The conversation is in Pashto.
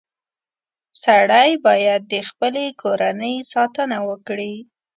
• سړی باید د خپلې کورنۍ ساتنه وکړي.